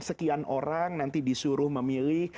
sekian orang nanti disuruh memilih